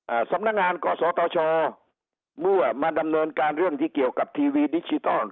สำนักงานกศตชเมื่อมาดำเนินการเรื่องที่เกี่ยวกับทีวีดิจิทัล